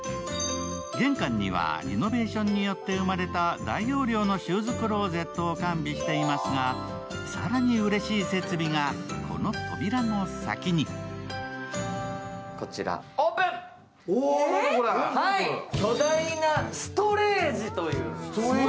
玄関にはリノベーションによって生まれた大容量のシューズクローゼットを完備していますが、更にうれしい設備が、この扉の先に巨大なストレージという。